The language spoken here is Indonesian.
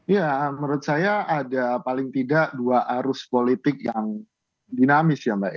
ya menurut saya ada paling tidak dua arus politik yang dinamis ya mbak